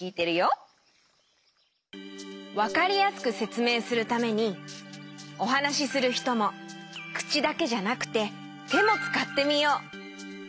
わかりやすくせつめいするためにおはなしするひともくちだけじゃなくててもつかってみよう。